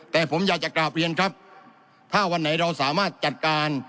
แต่ผมอยากจะกราบเรียนครับถ้าวันไหนเราสามารถจัดการ